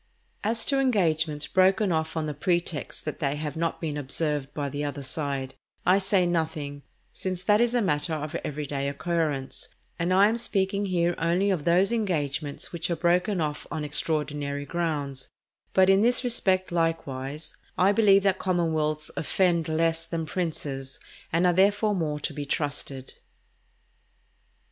As to engagements broken off on the pretext that they have not been observed by the other side, I say nothing, since that is a matter of everyday occurrence, and I am speaking here only of those engagements which are broken off on extraordinary grounds; but in this respect, likewise, I believe that commonwealths offend less than princes, and are therefore more to be trusted.